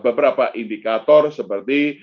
beberapa indikator seperti